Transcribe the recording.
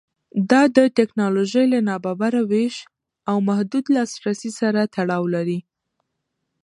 دا د ټکنالوژۍ له نابرابره وېش او محدود لاسرسي سره تړاو لري.